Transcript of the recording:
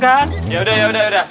kamu main di sana